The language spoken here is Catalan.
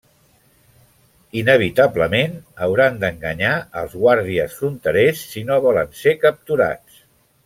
Inevitablement, hauran d'enganyar als guàrdies fronterers si no volen ser capturats.